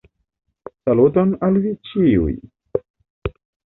Saluton al vi ĉiuj!